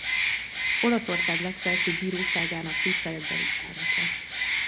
Olaszország Legfelsőbb Bíróságának tiszteletbeli elnöke.